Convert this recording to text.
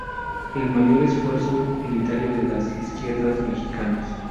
El mayor esfuerzo unitario de las izquierdas mexicanas.